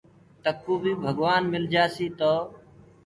تڪو بي ڀگوآن مِلجآسيٚ تو